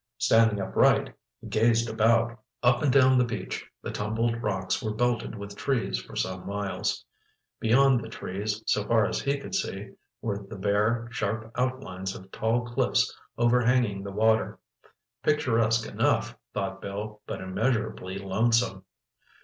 Standing upright, he gazed about. Up and down the beach, the tumbled rocks were belted with trees for some miles. Beyond the trees, so far as he could see, were the bare, sharp outlines of tall cliffs overhanging the water. Picturesque enough, thought Bill, but immeasurably lonesome.